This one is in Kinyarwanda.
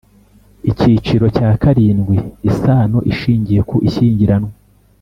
Icyiciro cya karindwi Isano ishingiye ku ishyingiranwa